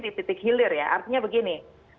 di titik hilir ya artinya begini